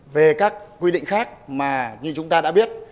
về các quy định khác mà như chúng ta đã biết